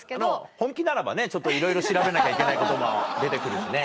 本気ならばねいろいろ調べなきゃいけないことも出て来るしね。